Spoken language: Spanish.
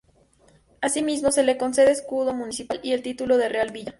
Asimismo se le concede escudo municipal y el título de "Real Villa".